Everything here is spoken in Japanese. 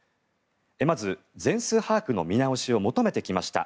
まず、全数把握の見直しを求めてきました